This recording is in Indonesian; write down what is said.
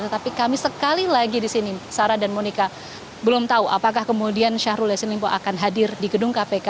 tetapi kami sekali lagi di sini sarah dan monika belum tahu apakah kemudian syahrul yassin limpo akan hadir di gedung kpk